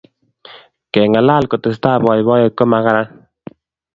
Kengalal kotesetai boiboiyet ko ma karan